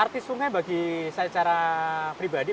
arti sungai bagi saya secara pribadi